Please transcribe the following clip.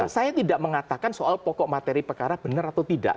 saya tidak mengatakan soal pokok materi pekara benar atau tidak